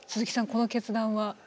この決断は？